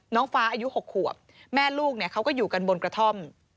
น้องฟ้าอายุ๖ขวบแม่ลูกเนี่ยเขาก็อยู่กันบนกระท่อม